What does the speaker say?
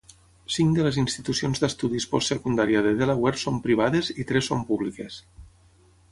Cinc de les institucions d'estudis postsecundària de Delaware són privades i tres són públiques.